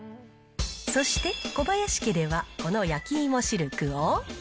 そして、小林家ではこの焼き芋しるくを。